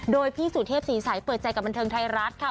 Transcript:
โดยพี่สุเทพศรีใสเปิดใจกับบันเทิงไทยรัฐค่ะ